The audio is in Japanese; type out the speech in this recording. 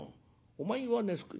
お前はね